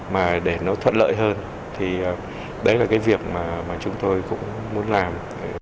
mà để nó thuận lợi hơn thì đấy là cái việc mà chúng tôi cũng muốn làm